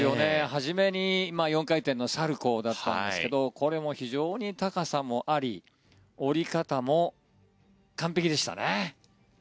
初めに４回転のサルコウだったんですけどこれも非常に高さもあり降り方も完璧でしたね。